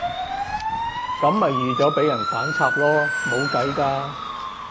噉咪預咗畀人反插囉，冇計㗎